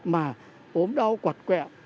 mà ốm đau quật quẹo